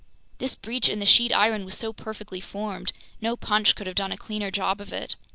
This breach in the sheet iron was so perfectly formed, no punch could have done a cleaner job of it.